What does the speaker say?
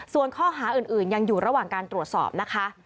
ส่วนข้อหาอื่นยังอยู่ระหว่างการตรวจสอบนะคะ